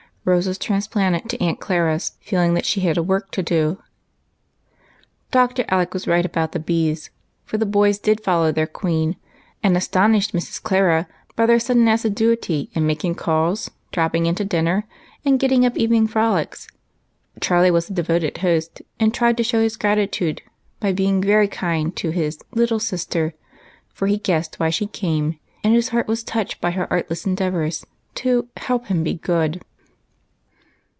Rose was transplanted to Aunt Clara's, feeling that she had a work to do, and very eager to do it well. Dr. Alec was right about the bees, for the boys did follow their queen, and astonished Mrs. Clara by their sudden assiduity in making calls, dropping in to dinner, and getting up evening frolics. Charlie was a devoted host, and tried to show his gratitude by being very kind to his " little sister," for he guessed why she came, and his heart was touched by her artless endeav ors to " help him be good."